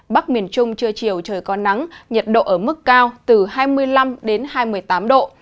bắc miền trung trưa chiều trời có nắng nhiệt độ ở mức cao từ hai mươi năm đến hai mươi tám độ